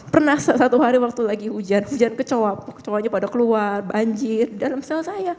pernah satu hari waktu lagi hujan hujan kecoa kecoanya pada keluar banjir dalam sel saya